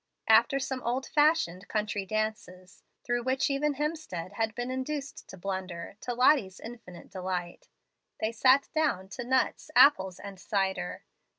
After some old fashioned country dances through which even Hemstead had been induced to blunder, to Lottie's infinite delight they sat down to nuts, apples, and cider.